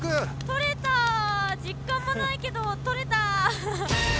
とれた実感もないけどとれた！